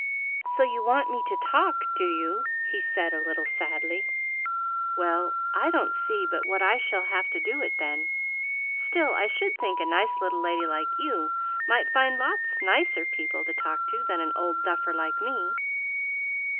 "So you want me to talk, do you?" he said a little sadly. "Well, I don't see but what I shall have to do it, then. Still, I should think a nice little lady like you might find lots nicer people to talk to than an old duffer like me."